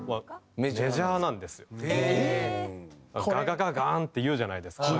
「ガガガガーン」っていうじゃないですか。